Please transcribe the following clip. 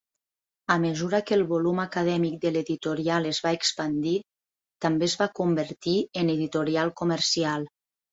A mesura que el volum acadèmic de l'editorial es va expandir, també es va convertir en editorial comercial.